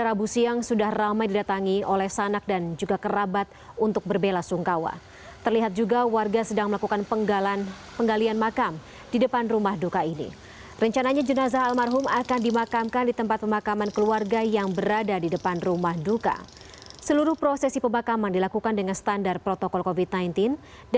sebelumnya ia menjabat sebagai sekretaris daerah atau sekda provinsi dki jakarta lainnya juga positif terinfeksi covid sembilan belas